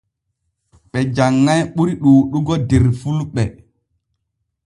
Ɓe janŋay ɓuri ɗuuɗugo der fulɓe.